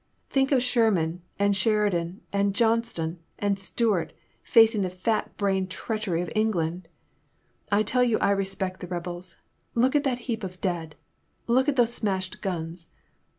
Think of Shennan and Sheridan and Johnston and Stuart facing the fat brained treach ery of England ! I tell you I respect the rebels. Look at that heap of dead ! Look at those smashed guns